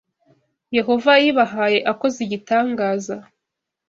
Yehova yayibahaye akoze igitangaza